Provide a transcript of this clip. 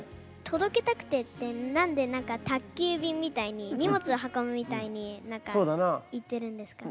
「届けたくて」って何で何か宅急便みたいに荷物を運ぶみたいに言ってるんですか？